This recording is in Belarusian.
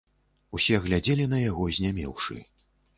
Усе глядзелі на яго знямеўшы.